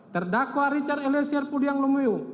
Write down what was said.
terdakwa rijal elisir pudihang lumio